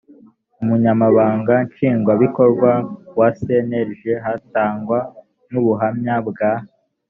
umunyamabanga nshingwabikorwa wa cnlg hatangwa n ubuhamya bwa